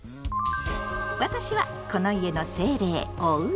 私はこの家の精霊「おうち」。